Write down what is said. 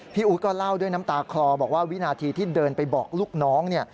อู๊ดก็เล่าด้วยน้ำตาคลอบอกว่าวินาทีที่เดินไปบอกลูกน้องเนี่ย